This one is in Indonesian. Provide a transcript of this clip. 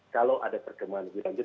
kalau ada perkembangan lebih lanjut